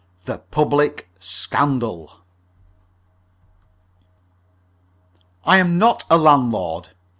THE PUBLIC SCANDAL I am not a landlord.